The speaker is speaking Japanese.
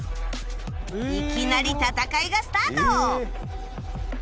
いきなり戦いがスタート！